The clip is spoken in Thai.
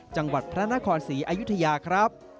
จังหวัดพระนครศรีอยุธยาครับ